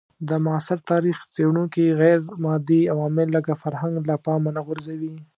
د معاصر تاریخ څېړونکي غیرمادي عوامل لکه فرهنګ له پامه نه غورځوي.